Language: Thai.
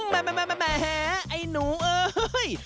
แหมไอ้หนูเอ้ย